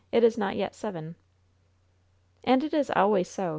It is not yet seven.' "And it is always so.